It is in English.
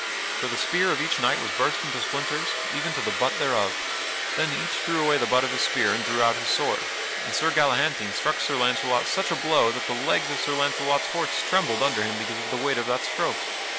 For the spear of each knight was burst into splinters, even to the butt thereof. Then each threw away the butt of his spear and drew out his sword, and Sir Galahantine struck Sir Launcelot such a blow that the legs of Sir Launcelot's horse trembled under him because of the weight of that stroke.